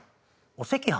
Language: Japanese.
お赤飯？